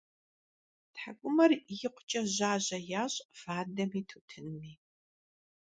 ТхьэкӀумэр икъукӀэ жьажьэ ящӀ фадэми тутынми.